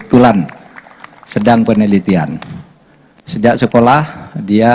sejak sekolah dia mencari biaya untuk bekerja di pemerintahan ini menjadi seleksi yang sangat terbuka